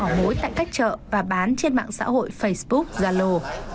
họ mối tại các chợ và bán trên mạng xã hội facebook zalo